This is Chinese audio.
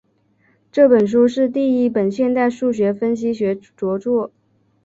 这本书是第一本现代数学分析学着作。